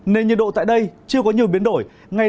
nên nhiệt độ tại đây chưa có nhiều biến đổi